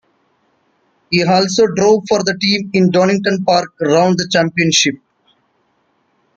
He also drove for the team in the Donington Park round of the championship.